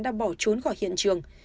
đã bỏ trốn khỏi hiện trường